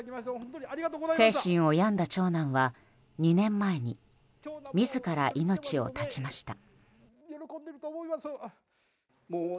精神を病んだ長男は２年前に、自ら命を絶ちました。